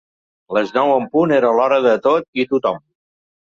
Les nou en punt era l'hora de tot i tothom.